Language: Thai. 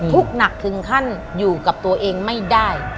ทุกข์หนักถึงขั้นอยู่กับตัวเองไม่ได้